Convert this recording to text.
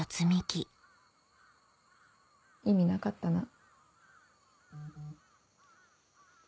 意味なかったな。